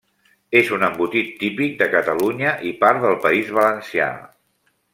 És un embotit típic de Catalunya i part del País Valencià.